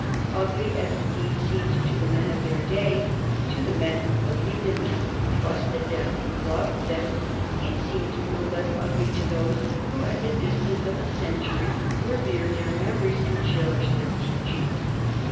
Ugly as the deed seemed to the men of their day, to the men who believed in them, trusted them, loved them, it seems no less ugly to those who at the distance of a century revere their memories and cherish their teachings.